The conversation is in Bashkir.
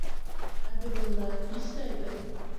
— Ә беҙ унда нишләйбеҙ?